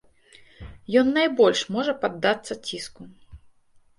Ён найбольш можа паддацца ціску.